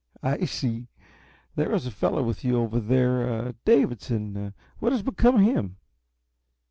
"I see. There was a fellow with you over there Davidson. What has become of him?"